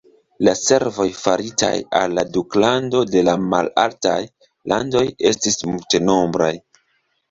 La servoj faritaj al la duklando de la Malaltaj Landoj estis multenombraj.